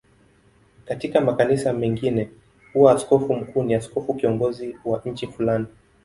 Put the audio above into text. Katika makanisa mengine huwa askofu mkuu ni askofu kiongozi wa nchi fulani.